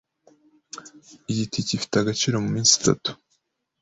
Iyi tike ifite agaciro muminsi itatu.